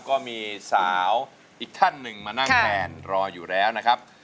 ก็มีสาวอีกท่านหนึ่งมานั่งแทนรออยู่แล้วนะครับ